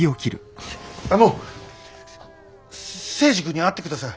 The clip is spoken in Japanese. あの征二君に会ってください。